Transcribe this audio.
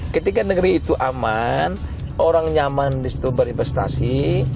ketika negeri itu aman orang nyaman di situ berinvestasi